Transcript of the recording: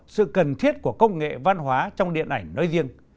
sự cần thiết của công nghệ văn hóa trong điện ảnh nói riêng